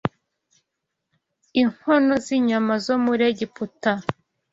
inkono z’inyama zo muri Egiputa